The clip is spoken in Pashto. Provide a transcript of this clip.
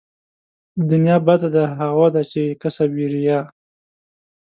دنيا بده د هغو ده چې يې کسب وي ريا